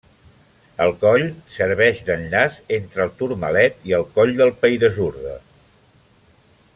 El coll serveix d'enllaç entre el Tourmalet i el coll del Peyresourde.